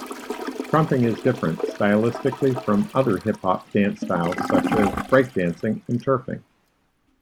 Krumping is different stylistically from other hip-hop dance styles such as Breakdancing and turfing.